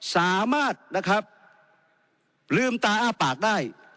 สามารถนะครับลืมตาอ้าปากได้